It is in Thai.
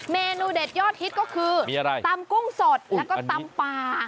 เมนูเด็ดยอดฮิตก็คือมีอะไรตำกุ้งสดแล้วก็ตำป่า